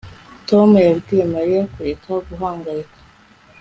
Tom yabwiye Mariya kureka guhangayika